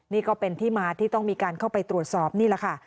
นี่ก็เป็นที่มาที่ต้องมีการเข้าไปตรวจสอบนี่แหละค่ะ